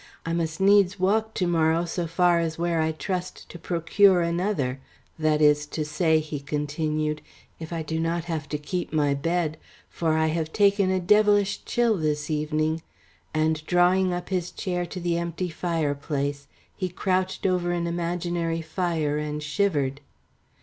I must needs walk to morrow so far as where I trust to procure another that is to say," he continued, "if I do not have to keep my bed, for I have taken a devilish chill this evening," and drawing up his chair to the empty fireplace, he crouched over an imaginary fire and shivered.